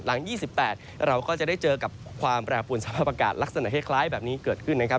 ๒๘เราก็จะได้เจอกับความแปรปวนสภาพอากาศลักษณะคล้ายแบบนี้เกิดขึ้นนะครับ